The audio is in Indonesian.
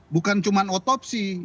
bukan cuma otopsi